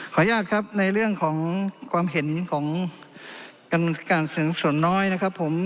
อนุญาตครับในเรื่องของความเห็นของการเสริมส่วนน้อยนะครับผม